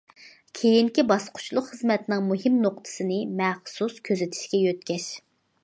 كېيىنكى باسقۇچلۇق خىزمەتنىڭ مۇھىم نۇقتىسىنى مەخسۇس كۆزىتىشكە يۆتكەش.